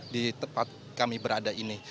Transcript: di tempat kami berada ini